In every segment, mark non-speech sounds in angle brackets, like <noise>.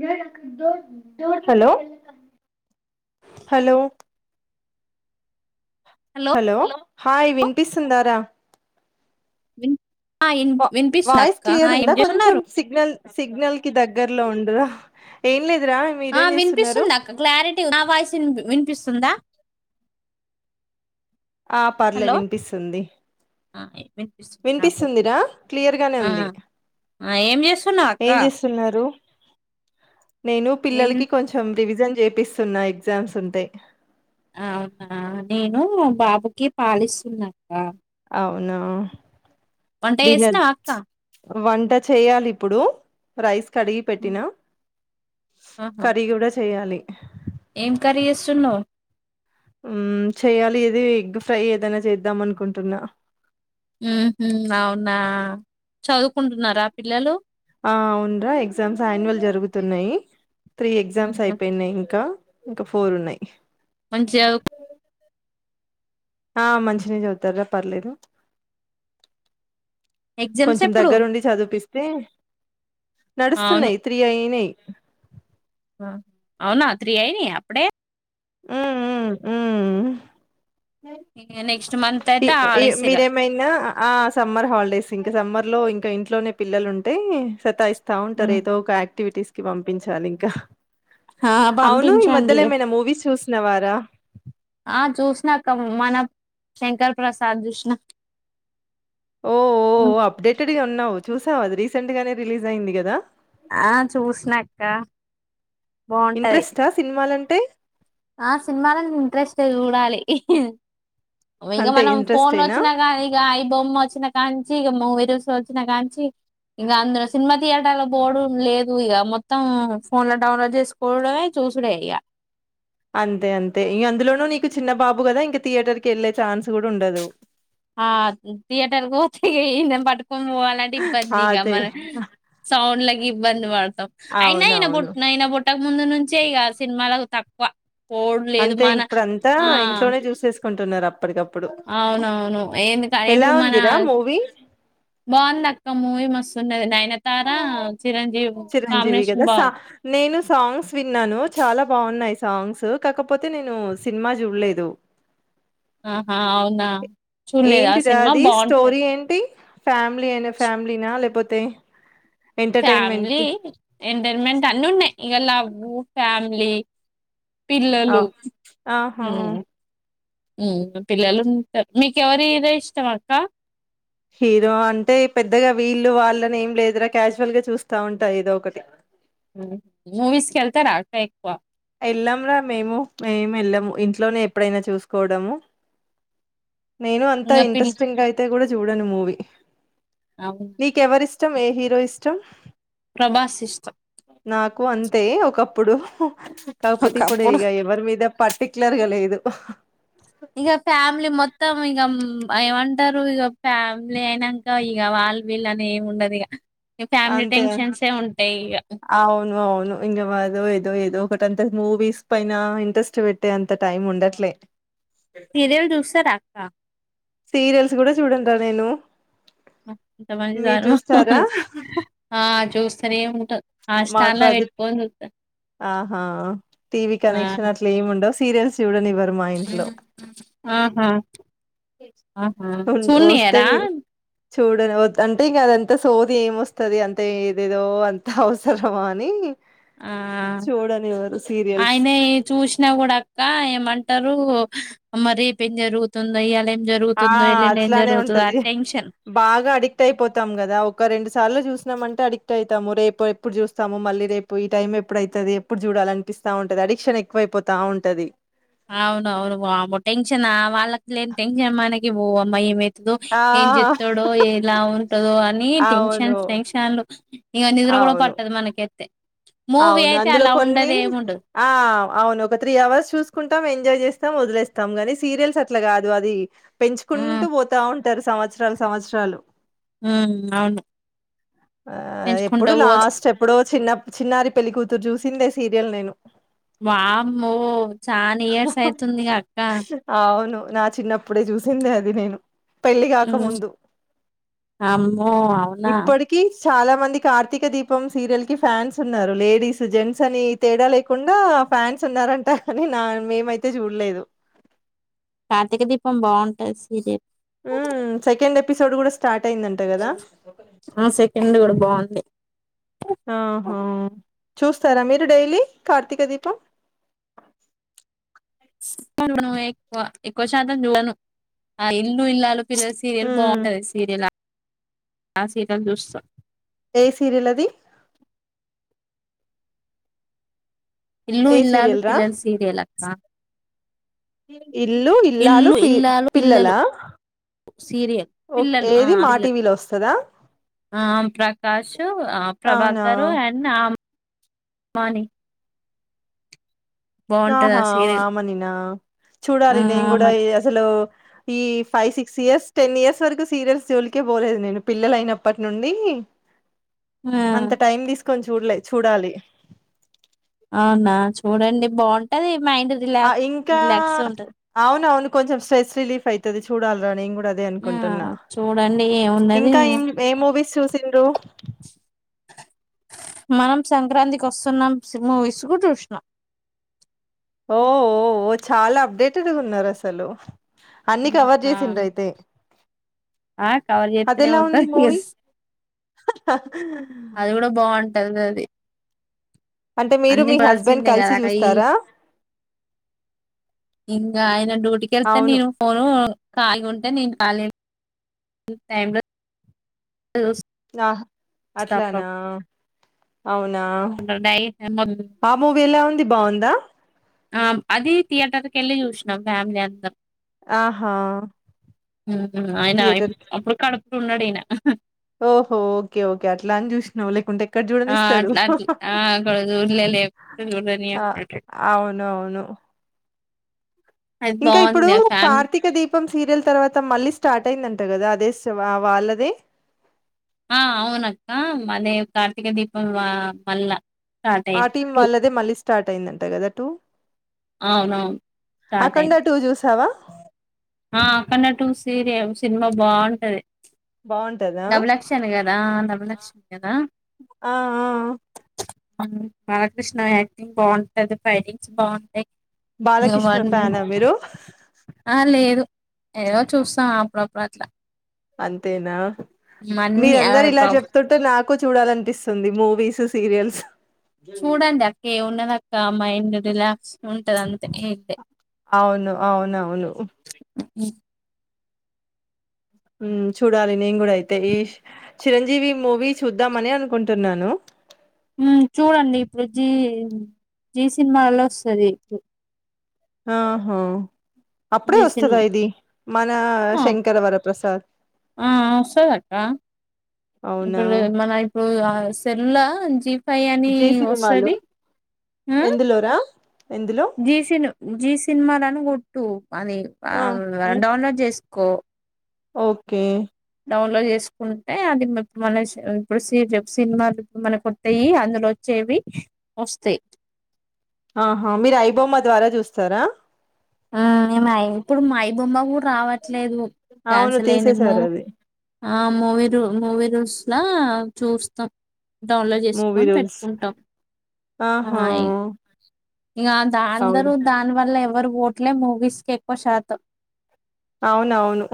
Hello hello hello hi వినిపిస్తుందారా విన్ ఆ ఇన్ వా వినిపిస్తుంది వాయిస్ అక్క ఆ క్లియర్ ఏం ఉందా కొంచెం చేస్తున్నారు సిగ్నల్ సిగ్నల్ కి దగ్గరలో ఉ లేదా ఏం లేదు ఆ వినిపిస్తుందా అక్క క్లారిటీ గు నా వాయిస్ విన్ వినిపిస్తుందా ఆ పర్లే హలో వినిపిస్తుంది ఆ వినిపిస్తుంది నాకు కూడా వినిపిస్తుందిరా క్లియర్గానే ఆ ఉంది ఆ ఏం చేస్తున్నావు అక్క ఏం చేస్తున్నారు నేను ఏం పిల్లలకి కొంచం రివిజన్ చేపిస్తున్నా ఎగ్జామ్స్ ఉంటే అవునా నేను బాబుకి పాలిస్తున్నాక్క అవునా వంటా డిన్నర్ చేసినవా అక్క వంట చేయాలి ఇప్పుడు రైస్ కడిగి ఉమ్, పెట్టినా ఆహా కర్రీ కూడా చేయాలి ఏం కర్రీ చేస్తూనవ్ ఉ చేయాలి ఇది ఎగ్ ఫ్రై ఏదైనా చేద్దాం అనుకుంటున్నా ఉహు అవునా చదువుకుంటున్నారా పిల్లలు ఆ అవున్రా ఎగ్జామ్స్ యాన్యువల్ జరుగుతున్నాయి త్రీ ఎగ్జామ్స్ అయిపోయినై ఇంక ఇంక ఫోర్ ఉన్నాయి మంచి చదువుకు ఆ మంచినే చదువుతరా పర్లేదు ఎగ్జామ్స్ కొంచం ఎప్పుడు దగ్గరుండి చదివిపిస్ పే అవును నడుస్తున్నాయి తీ అయినయి అవునా త్రీ అయినయ అప్పుడే ఉమ్ ఉమ్ మ్ ఇగ నెక్స్ట్ మంత్ ఇ అయితే ఇవ్ హాలిడేస్ ఇగ మీరేమైనా ఆ సమ్మర్ హాలిడేస్ ఈ సమ్మర్ లో ఇంకా ఇంట్లోనే పిల్లలు ఉంటే సతాయిస్ తా ఉంటారు ఏదో ఒక ఆక్టివిటీస్ కి పం ప్పించాలి ఇంకా ఆ అవును ఈ పంపించండి మద్యల ఇగ ఎమైనా మూవీస్ చూసినవారా? ఆ జోస్నా క్క వ మన శంకర్ ప్రసాద్ జుష్నా ఓఓ అప్డేటెడ్గా ఉన్నావు చూస్ రీసెంట్ గానే రీలీజ్ అయింది గాదా ఆ చూసినక్క బాగుంటది ఇంట్రెస్టా సినిమాల్ టె ఆ సినిమలనీ ఇంట్రెస్ట్ చూడాలి ఇగ అంతే మనం ఫోన్ ఇంట్రెస్టేనా? వచ్చినా కా ఇగ ఐ బొమ్మ వచ్చినా కాంచి ఇగ మూవీ రోల్స్ వచ్చినా కాంచి ఇగ అందులో సినిమా థియేటర్ లో పోడు లేదు ఇక మొత్తం ఫోన్ లో డౌన్లోడ్ చేసుకోవడమే చూసుడే ఇగ అంతే అంతే ఇగ అందులోనూ నీకు చిన్న బాబు కదా ఇంకా థియేటర్ కి వెళ్ళే ఛాన్స్ కూడా ఉండదు ఆ థియేటర్ కు పోతే ఇయన్ పటు అలాంటి ఇబ్బంది ఆ! ఇగ అదే. మన సౌండ్ల కి ఇబ్బంది పడతాం అయిన ఇయన పుట్ట అవునవును. ఇయన పుట్టక ముందు నుం చే ఇగ సినిమాలకు తక్కువ పోవుడు లేదు అంతే మన ఇప్పుడ అంతా ఆ ఇంట్లోనే చూసేసుకుంటున్నారు అప్పటికప్పు అవునవును ఎందుక ఇప్పుడు మన ఉందిరా మూవీ? బాగుంది అక్క మూవీ మస్తున్నది నయన తారా చిరంజీవి గదా సా నేను సాంగ్స్ విన్నాను చాలా బాగున్నాయి సాంగ్స్ కాకపోతే నేను సినిమా చూడలేదు ఆహా అవునా చూడలేదు ఆ ఏంటిది రా సినిమా అది బాగుంటది స్టోరీ ఏంటి ఫ్యామిలీ అయినా ఫ్యామిలీనా లేపోతే ఎంటర్టైన్మెంట్ ఫ్యామిలీ ఎంటైన్మెంట్ అన్ని ఉన్నాయి ఇగ లవ్వు ఫ్యామ్ లి ఆ పిల్లలు ఆహా ఉం ఉం పిల్లలు ఉంటారు మీకెవరి హీరో ఇష్టం అక్క హీరో అంటే పెద్దగా వీళ్ళు వాళ్ళని ఏం లేదురా క్యాజువల్ గా చూస్తా ఉంటాయి ఇదో ఒకటి మూవీస్కి ఎళ్తరా అక్క ఎక్కువ ఎళ్ళాం రా మేము మేము ఎళ్ళము ఇంట్లోనే ఎప్పుడైనా చూసుకోవడము నేను అంత ఇంగ పిల్ ఇంట్రెస్టింగ్ అయితే కూడా చూడను మూవి అవునా! నీక ఎవరిస్త ఇష్టం ఏ హీరో ఇష్టం ప్రభాస్ ఇష్టమ్ తక్కువ అంతే ఒకప్పుడు చౌపతి పడ ఒకప్పుడు. ఇగా ఎ మరి మీద పర్టిక్యులర్గా లేదు ఇగ ఫ్యామిలీ మొత్తం ఇక ఏమంటారు ఇక ఫ్యామిలీ అయినాక ఇక వాళ్ళు వీళ్ళు అని ఏమి ఉండదు ఇక ఫ్యామిలీ అంతే టెన్షన్సే ఉంటాయిక అవును అవును ఇంగ మాదో ఏదో ఒకటంత మూవీస్ పైన ఇంట్రెస్ట్ పెట్టే అంత టైం ఉండట్లే సిరియల్ చూసరా క్క సీరియల్స్ కూడా చూడన్రా నేను మీరు చూస్తారా <unintelligible> చూస్ సరే ఉంట మాకు అది ఆహా టీవి ఆ! కనెక్షన్ అట్లా ఏమి ఉండ సీరియల్స్ కూడా ఆహా ఆహా ఉన్ వస్తే చూడానియారా చూడని అంటే ఇంకా అదంత సోతి ఏమొస్తుంది అంత ఏదేదో అంత అ సరమా అని ఆ చూడనివ్వరు సీరియల్స్ ఆయనే చూసినా కూడా ఇంకా ఏమంటారు మరీ రీప్ జరుగుతుంది ఇయ్యాల ఆ జరుగుతుందో ఎల్లుండి ఏం అట్లానే జరుగుతుందో ఆ ఉంటది టెన్షన్ బాగా అడిక్ట్ అయిపోతాం కదా ఒక రెండు సార్లు చూసినామ అంటే అడిక్ ఎట్ అవుతాము రేపు ఎప్పుడు చూస్తాము మళ్ళీ రేపు ఈ టైం ఎప్పుడువుతుది ఎప్పుడు చూడాలి అనిపిస్తా ఉంటది అడిక్షన్ ఎక్కువైపోతా ఉంటది అవును అవును బ అమ్మ టెన్షన్ వాళ్ళలేన్ టెన్షన్ మనకి పోమ్మయి ఆ ఏం చెప్తాడో ఎలా ఉంటదో అని టెన్షన్ అవును టెన్షన్లు ఇం నిద్ర కూడా అవును పట్టది మనకెత్తే అవును అందులో కొన్ని ఆ అవును ఒక త్రీ అవర్స్ చూసు తెకుంటాం ఎంజాయ్ చేస్తాం వదిలేస్తాం కానీ సీరియల్స్ అట్లా కాదు అది ఉమ్ పెంచుకుంటూ పోతా ఉంటారు సంవత్సరాలు సంవత్సరాలు హ అవును ఆ ఎప్పుడు పెంచుకుంటా పో లాస్ట్ ఎప్పుడో చిన్న నారి పెళ్ళిక కూతురు చూసిందే సీరియల్ నేను వామ్మో చానా ఇయర్స్ అయితుంది అక్క అవును నా చిన్నప్పుడే చూసిందే అది నేను పెళ్లి గాక ఉమ్ ముందు అమ్మో అవునా ఇప్పడికి చాలా మంది కార్తీక దీపం సీరియల్ కి ఫ్యాన్స్ ఉన్నారు లేడీస్ జెంట్స్ అని తేడా లేకుండా ఫ్యాన్స్ ఉన్నారంటా కానీ నా మేమైతే చూడలేదు కార్తీక దీపం బాగుంటది సిరియల్ ఉ సెకండ్ ఎపిసోడ్ కూడా స్టార్ట్ అయిందంట కదా ఆ సెకండ్ కూడా బాగుంటే ఆహా చూస్తారా మీరు డైలీ కార్తీక దీపం చూడ ఎక్కువ ఎక్కువ శాతం చూడను ఆ ఇల్లు ఇల్లాలు పిల సీరియల్ ఉమ్ బాగుంటాది సీరియల్ <unintelligible> ఆ సీరియల్ దుష్టం ఏ సీరియల్ అది ఇల్లు ఏ ఇల్లాలు సీరియల్ రా పిల్లలు సీరియలక్క ఇల్లు ఇల్లాలు ఇల్లు పి ఇల్లాలు పిల్లలు పిల్లలా సీరియల్ ఓకే పిల్లలు ఆ ఏది మా పిల్లలు టీవీలో వస్తుందా ఆ ప్రకాష్ ఆ అవునా ప్రభాకర్ అండ్ ఆ వాణి ఆహా ఆ సీరియల్ వమనినా ఆ చూడాలి నేను కూడా మ అసలు ఈ five six years ten years వరకు సీరియల్స్ జోలికే పోలేదు నేను పిల్లల అయినప్పటి నుండి.... ఆ అంత టైమ్ తీ కొంచ చూడలే చూడాలి అవునా చూడండి బాగుంటది మైండ్ రిలా ఆ ఇంకా రిలాక్స్ ఉంటది అవునవును కొంచం స్ట్రెస్ రిలీఫ్ అయితది చూడాలరా నేను కూడా అది ఆ అనుకుంటున్నా చూడండి ఏమున్నది ఇంకాం ఆ ఏ మూవీస్ చూసిండ్రు మనం సంక్రాంతికి వస్తున్న సినిమా మూవీస్ కు చూసిన ఓఓ చాలా అప్డేటెడ్గా ఉన్నారు అసలు అన్ని కవర్ చేసిందయితే అయితే ఆ కవర్ అది చేస్తూనే ఎలా ఉంది ఉంటది మూవీ అదిది అంటే మీరు మీ హస్బెండ్ కలిసి అక్క ఈ చూస్తారా ఇంకా ఆయన డ్యూటీకి వెళ్తా అవును నేను ఫోను కాయగాంటే నేను కాలేం టై లో ఆహా చూస్తా అట్లనా అవునా ఆ మూవీ ఎలా ఉంది బాగుందా ఆ అది థియేటర్ కేళ్లి చూసినం ఫ్యామిలీ అంతా. ఆహా అయినా థియేటర్ అప్పుడు కడూప్ న్నాడినా ఓహో ఓకే ఓకే అట్లా అన్ చూసినావు లేకుంటే ఎక్కడ ఆ చూడనిస్తాడు అట్ల అట్ల అ అక్కడ <unintelligible> లేవు ఆ <unintelligible> ఇంక ఇప్పుడు ఫ్యామిలీ కార్తీక దీప్ ఇపం సీరియల్ తర్వాత మళ్ళీ స్టార్ట్ అయిందంట కదా అదే స్ వాళ్ళదే ఆ అవునక్క అదే కార్తీక దీపం వా మళ్ళా ఆ టీం వాళ్ళదే మళ్ళీ స్టార్ట్ అయిందంట గద టూ అవునవును. స్టార్ట్ అఖండ అయింది. టూ చూసావా ఆ అఖండ టూ సీరియల్ సినిమా బాగుంటది. బాగుంటదా డబుల్ యాక్షన్ కదా డబుల్ యాక్షన్ కదా ఆ ఆ బాలకృష్ణ యాక్టింగ్ బాగుంటది ఫైటింగ్స్ బాగుంటాయి బాలకృష్ణ ఫ్యానా మీరు అహా! లేదు. ఏదో చూస్తాం అప్పుడప్పుడు అట్లా అంతేనా హ్మ్. అన్నీ మీరందరు ఆహ్, ఇలా ప్రాబ్ చెప్తుంటే నాకు క్కు చూడాలనిపిస్తుంది మూవీస్ సీరియల్స్ చూడండి అక్క ఉన్నదక్క మైండ్ రిలాక్స్ ఉంటది అంతే ఏంతె అవును అవునవును మ్ చూడాలి నేను గూడా అయితే ఈ చిరంజీవి మూవీ చూద్దామని అనుకుంటున్నాను మ్ చూడండి ఇప్పుడు జి జి సినిమాలో ఒస్తది ఇప్పుడు ఆహా అప్పుడే జీ వస్తుదా సినిమా ఇది మన ఆ! శంకరవరప్రసాద్ ఆ వస్తుద అక్క అవునా ఇప్పుడు మన ఇప్పుడు ఆ సెల్లా ఉంచి పైయాని జీ సినిమాలో వస్తుంది ఆ ఎందులోరా ఎందులో జీసీను జీస్ సినిమా లాను కొట్టు అది ఆ డౌన్లోడ్ చేసి కో ఓకే డౌన్లోడ్ చేసుకుంటే అది మన ఇప్పుడు సినిమాలు మన కొట్టాయి అందులో వచ్చేవి వస్తాయి. ఆహా మీరు అయిబొమ్మ ద్వారా చూస్తారా ఇపుడు మాయిబమ్మా కూడ్ రావట్లేదు అవును క్యాన్సిల్ అయింది మూీ తీసేసారు అది ఆ మూవీ రూ మూవీ రూల్స్ అట్లా చూస్తాం డౌన్లోడ్ మూవీ చేసుకని రూల్స్ పెట్టుకుంటాం ఆ ఆహా ఇంకా దా అవును అందరు దాని వల్ల ఎవరు పోవట్లే మూవీస్ కి ఎక్కువ శాతం అవున అవును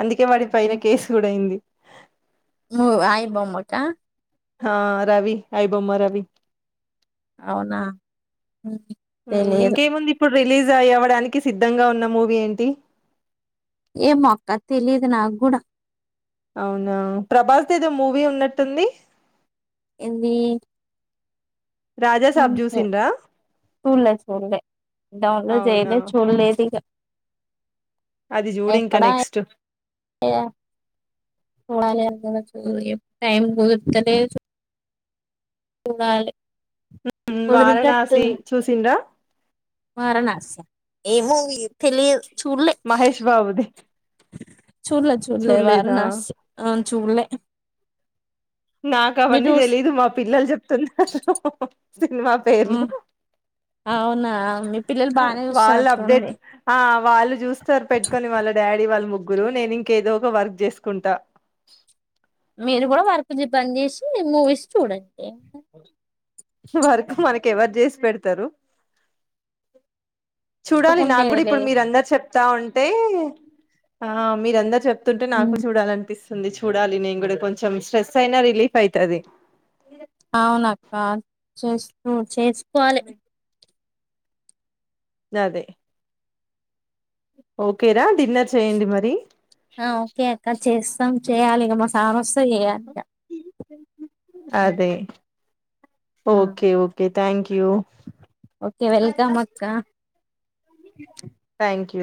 అందుకే వాడి పైన కేసు కూడా అయింది హు ఆయి బొమ్మ కా ఆ రవి ఐ బొమ్మ రవి అవునా తెలియదు ఇంకేముంది ఇప్పుడు రిలీజ్ అయవడానికి సిద్ధంగా ఉన్న మూవీ ఏంటి ఏమో అక్క తెలియదు నా కూడా అవునా ప్రభాస్ ది ఏదో మూవీ ఉన్నట్టుంది ఏందీ రాజాసాబ్ చూసిండ్రా చూడలే చూడలే డౌన్లోడ్ అవునా చేయలే చూడలేదు ఇక అది చూడు ఇంకా ఎక్కడ నెక్స్ట్ <unintelligible> <unintelligible> టైమ్ కుదర్తలేదు చూడాలి వారణాసి కుదిరేటట్టుంది చూసిండ వారణాసి ఏ మూవీ తెలియదు చూలే మహేష్ బాబుది చూలే చూలే చూడలేదా వారణాసి ఆ చూడాలే నాకు అవన్నీ తెలీదు మా పిల్లలు చెప్తున్నారు సినిమా పేర్లు అవునా మీ పిల్లలు బాగానే వాళ్ళు అప్డేట్ చూస్తారట్టుంది వాళ్ళు చూస్తారు పెట్టుకొని వాళ్ళ డాడీ వాళ్ళు ముగ్గు ఇప్పుడు నేను ఇంకేదో ఒక వర్క్ చేసుకుంటా మీరు కూడా వర్క్ పని చేసి మూవీస్ చూడండి అఓ వరకు మనకి ఎవరు చేసి పెడతారు చూడాలి నాకు కూడా తప్పకుండేలే ఇప్పుడు మీర అందరు చెప్తా ఉంటే ఆ మీరందరు చెప్ చెపుతుంటే నాకు ఉమ్, చూడాలనిపిస్తుంది ంది చూడాలి నేను కూడా కొంచెం స్ట్రెస్ అయినా రిలీఫ్ అయతది అవునక్క చూస్తూ చేసుకోవాలి అదే ఓకే రా డిన్నర్ చేయండి మరి ఆ ఓకే అక్క చేసి చేస్తాం చేయాలి ఇగ మా స్వామి వస్తే చేయాలి ఇక ఉమ్, అదే ఆ, okay okay thank you okay welcome అక్కా లు